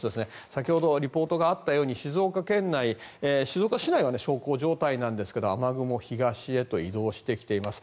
先ほど、リポートがあったように静岡県内静岡市内は小康状態なんですが雨雲は東へと移動してきています。